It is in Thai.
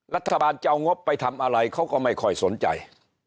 รัฐบาลจะเอางบไปทำอะไรเขาก็ไม่ค่อยสนใจ